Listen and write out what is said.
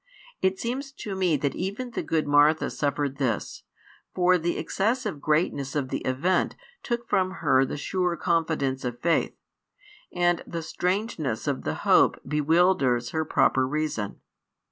It seems to me that even the good Martha suffered this; for the excessive greatness of the event took from her the sure confidence of faith, and the strangeness of the hope bewilders her proper reason.